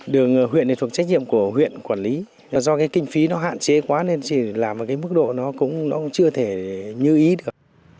đường huyện thuộc trách nhiệm của huyện quản lý do kinh phí hạn chế quá nên làm mức độ chưa thể như ý được